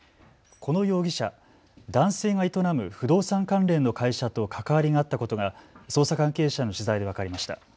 この容疑者、男性が営む不動産関連の会社と関わりがあったことが捜査関係者への取材で分かりました。